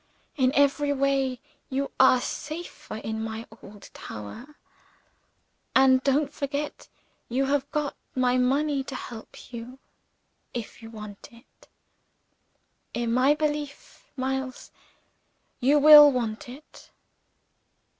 In every way you are safer in my old tower. And don't forget you have got my money to help you, if you want it. In my belief, Miles, you will want it."